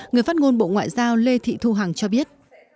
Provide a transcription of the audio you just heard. người phát ngôn bộ ngoại giao lê thị thu hằng cho biết